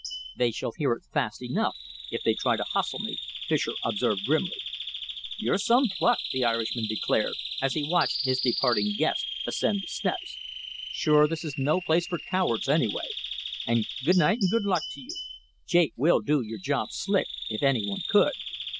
"They shall hear it fast enough, if they try to hustle me," Fischer observed grimly. "You've some pluck," the Irishman declared, as he watched his departing guest ascend the steps. "Sure, this is no place for cowards, anyway. And good night and good luck to you! Jake will do your job slick, if any one could."